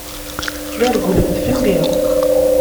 La rewwlent fell-i.